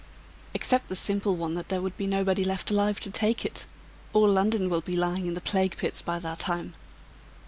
"Except the simple one that there would be nobody left alive to take it. All London will be lying in the plague pits by that time."